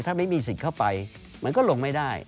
ถ้าไม่มีสิทธิ์เข้าไปมันก็ลงไม่ได้